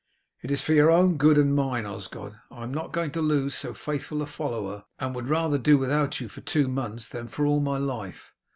"It is for your own good and mine, Osgod. I am not going to lose so faithful a follower, and would rather do without you for two months than for all my life.